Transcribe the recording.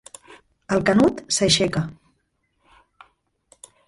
El Canut s'aixeca.